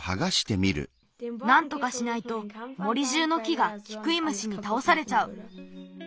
なんとかしないと森じゅうの木がキクイムシにたおされちゃう。